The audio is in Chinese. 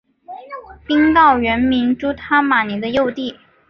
宾告原名朱他玛尼的幼弟。